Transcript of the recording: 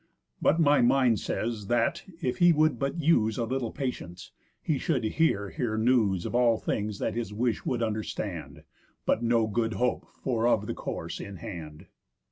But my mind says, that, if he would but use A little patience, he should here hear news Of all things that his wish would understand, But no good hope for of the course in hand."